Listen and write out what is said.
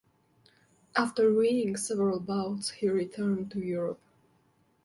After winning several bouts, he returned to Europe.